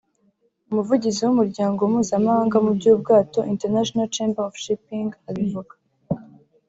umuvugizi w’umuryango mpuzamahanga mu by’ubwato (International Chamber of Shipping) abivuga